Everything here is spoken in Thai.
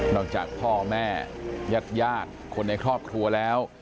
จากพ่อแม่ญาติคนในครอบครัวแล้ว